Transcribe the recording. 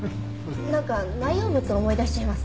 なんか内容物思い出しちゃいますね。